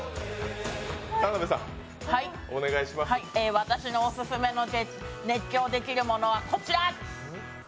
私のオススメの熱狂できるものはこちら。